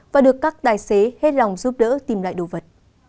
và được các tài xế hết lòng giúp đỡ tìm lại đồ vật